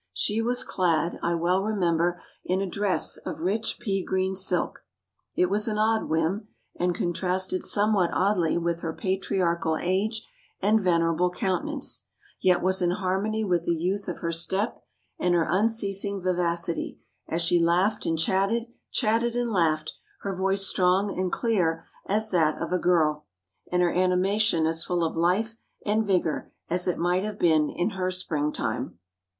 She was clad, I well remember, in a dress of rich pea green silk. It was an odd whim, and contrasted somewhat oddly with her patriarchal age and venerable countenance, yet was in harmony with the youth of her step, and her unceasing vivacity as she laughed and chatted, chatted and laughed, her voice strong and clear as that of a girl, and her animation as full of life and vigour as it might have been in her spring time."